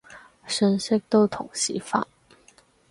信息都同時發